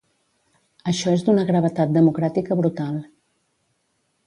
Això és d’una gravetat democràtica brutal.